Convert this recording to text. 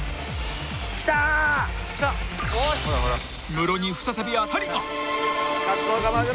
［ムロに再び当たりが］